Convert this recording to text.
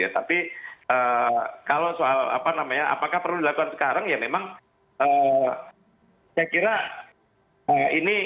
tapi kalau soal apa namanya apakah perlu dilakukan sekarang ya memang saya kira ini